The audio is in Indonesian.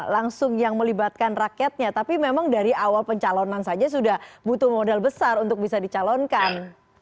langsung yang melibatkan rakyatnya tapi memang dari awal pencalonan saja sudah butuh modal besar untuk bisa dicalonkan